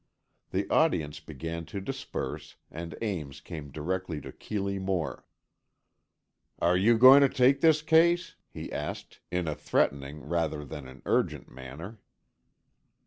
The audience began to disperse, and Ames came directly to Keeley Moore. "Are you going to take this case?" he asked, in a threatening rather than an urgent manner.